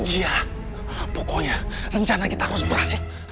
iya pokoknya rencana kita harus berhasil